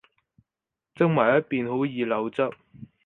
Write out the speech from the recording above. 側埋一邊好易漏汁